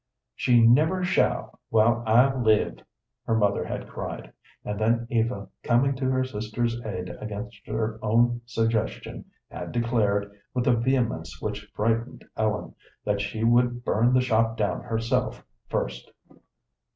"She never shall, while I live," her mother had cried; and then Eva, coming to her sister's aid against her own suggestion, had declared, with a vehemence which frightened Ellen, that she would burn the shop down herself first.